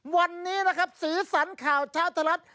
วันนี้นะครับสีสันข่าวเช้าไทยรัฐ